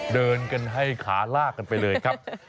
เดินกันให้ขาลากกันไปเลยครับ